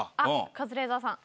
カズレーザーさん。